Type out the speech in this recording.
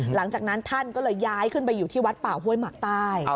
หลังจากนั้นท่านก็เลยย้ายขึ้นไปอยู่ที่วัดป่าห้วยหมักใต้